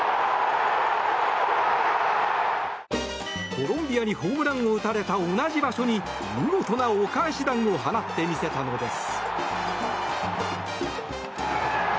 コロンビアにホームランを打たれた同じ場所に見事なお返し弾を放ってみせたのです。